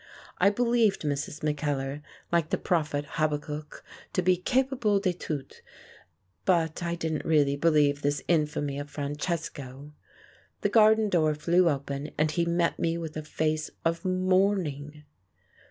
I believed Mrs. Mackellar, like the prophet Habakkuk, to be "capable de tout," but I didn't really believe this infamy of Francesco. The garden door flew open, and he met me with a face of mourning.